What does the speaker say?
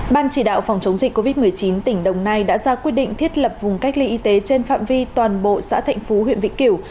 ban chỉ đạo phòng chống dịch covid một mươi chín tỉnh đồng nai đã ra quyết định thiết lập vùng cách ly y tế trên phạm vi toàn bộ xã thạnh phú huyện vĩnh kiểu